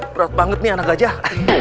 berat banget nih anak gajah